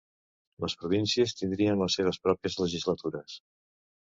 Les províncies tindrien les seves pròpies legislatures.